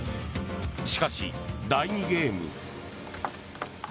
しかし、第２ゲーム。